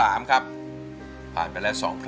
อันดับนี้เป็นแบบนี้